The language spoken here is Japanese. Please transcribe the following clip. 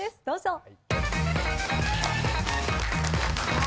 どうぞ。